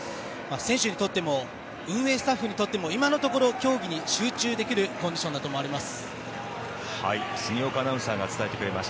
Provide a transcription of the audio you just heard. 選手にとっても運営スタッフにとっても今のところ競技に集中できるコンディションだと思われます。